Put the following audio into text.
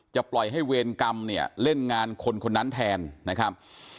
ปล่อยให้เวรกรรมเนี่ยเล่นงานคนคนนั้นแทนนะครับ